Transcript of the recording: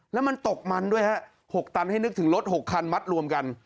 แล้วมันตกมันด้วยฮะ๖ตันให้นึกถึงรถ๖คันมัดรวมกัน